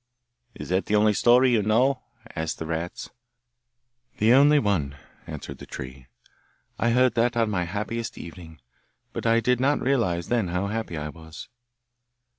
'Is that the only story you know?' asked the rats. 'The only one,' answered the tree. 'I heard that on my happiest evening, but I did not realise then how happy I was.